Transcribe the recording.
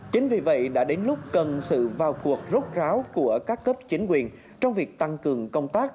chính vì vậy đã đến lúc cần sự vào cuộc rốt ráo của các cấp chính quyền trong việc tăng cường công tác